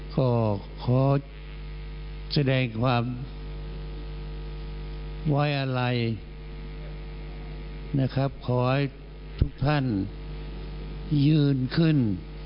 ขอให้ทุกท่านยืนขึ้น